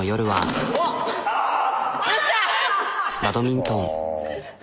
バドミントン。